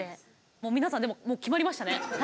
もう皆さんでももう決まりましたね。